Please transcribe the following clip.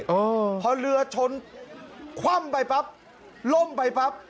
เออพอเรือชนคว่ำไปปั๊บล่มไปปั๊บ